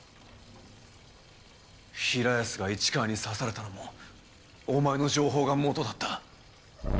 平安が市川に刺されたのもお前の情報が元だった。